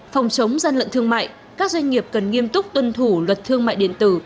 phòng chống gian lận thương mại các doanh nghiệp cần nghiêm túc tuân thủ luật thương mại điện tử